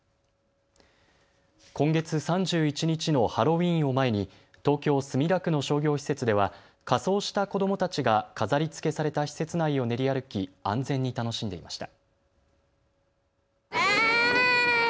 今月３１日のハロウィーンを前に東京墨田区の商業施設では仮装した子どもたちが飾りつけされた施設内を練り歩き安全に楽しんでいました。